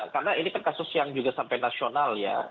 karena ini kan kasus yang juga sampai nasional ya